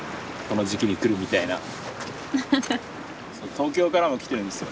東京からも来てるんですよ。